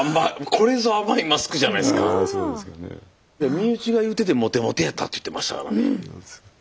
身内が言っててモテモテやったって言ってましたからね。